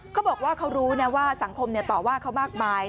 เขาบอกว่าเขารู้นะว่าสังคมต่อว่าเขามากมาย